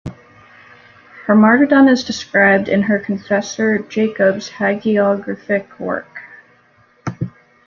Her martyrdom is described in her confessor Jacob's hagiographic work.